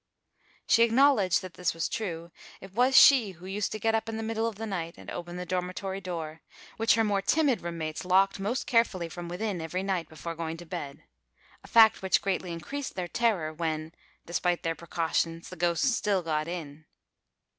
She acknowledged that this was true; it was she who used to get up in the middle of the night, and open the dormitory door, which her more timid room mates locked most carefully from within every night, before going to bed—a fact which greatly increased their terror when, despite their precautions, the ghosts still got in.